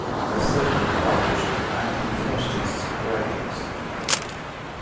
The circle published anti-fascist writings.